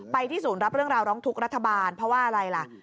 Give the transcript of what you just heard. ที่ศูนย์รับเรื่องราวร้องทุกข์รัฐบาลเพราะว่าอะไรล่ะ